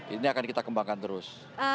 ini akan kita kembangkan terus